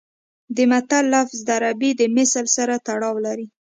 د متل لفظ د عربي د مثل سره تړاو لري